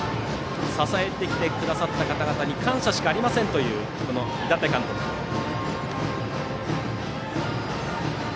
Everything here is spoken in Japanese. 支えてきてくださった方々に感謝しかありませんという井達監督です。